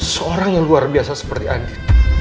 seorang yang luar biasa seperti agi